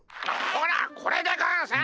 ほらこれでゴンス！